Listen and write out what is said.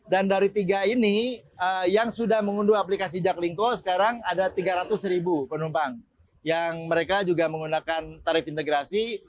dan dari tiga ini yang sudah mengunduh aplikasi jaklingko sekarang ada tiga ratus ribu penumpang yang mereka juga menggunakan tarif integrasi